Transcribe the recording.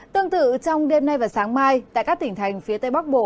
tương tự trong đêm nay và sáng mai tại các tỉnh thành phía tây bắc bộ